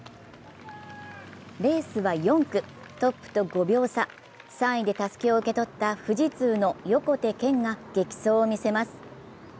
レースは４区、トップと５秒差、３位でたすきを受け取った富士通の横手健が激走をみせます。